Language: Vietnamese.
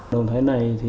đồng thời này thì